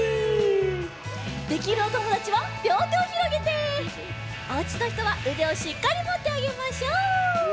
できるおともだちはりょうてをひろげておうちのひとはうでをしっかりもってあげましょう。